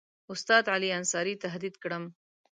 استاد علي انصاري تهدید کړم.